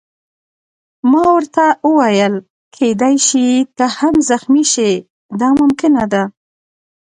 ما ورته وویل: کېدای شي ته هم زخمي شې، دا ممکنه ده.